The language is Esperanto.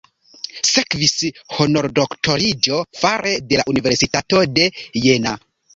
Sekvis honordoktoriĝo fare de la Universitato de Jena.